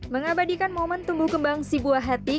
mengabadikan momen tumbuh kembang si buah hati